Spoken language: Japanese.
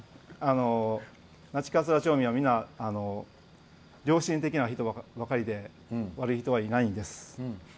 那智勝浦町にはみんな良心的な人ばかりで悪い人はいないんです。